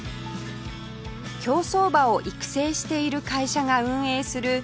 競走馬を育成している会社が運営する乗馬倶楽部